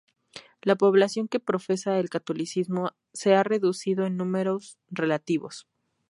La población que profesa el catolicismo se ha reducido en números relativos.